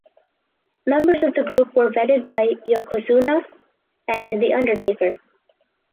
Members of the group were vetted by Yokozuna and The Undertaker.